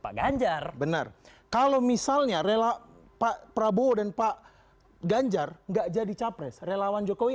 pak ganjar benar kalau misalnya rela pak prabowo dan pak ganjar enggak jadi capres relawan jokowi